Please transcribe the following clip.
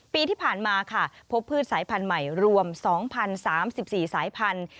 ปีที่ผ่านมาค่ะพบพืชสายพันธุ์ใหม่รวม๒๐๓๔สายพันธุ